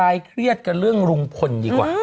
เครียดกันเรื่องลุงพลดีกว่า